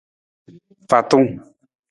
Fantung.